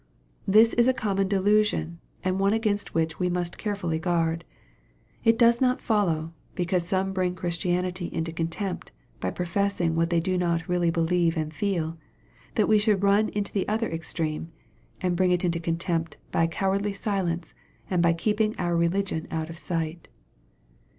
This is a common delusion, and one against which we must carefully guard. It does not follow, because some bring Christianity into contempt by professing what they do not really believe and feel, that we should run into the other extreme, and bring it into contempt by a cowardly silence and by keeping our religion out of sight.